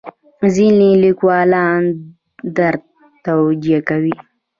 ځینې لیکوالان درد توجیه کوي.